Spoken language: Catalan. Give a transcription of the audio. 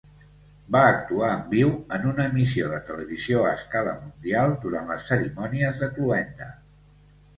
Va actuar en viu en una emissió de televisió a escala mundial durant les cerimònies de cloenda.